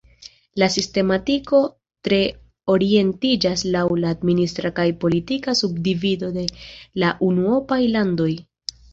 La sistematiko tre orientiĝas laŭ la administra kaj politika subdivido de la unuopaj landoj.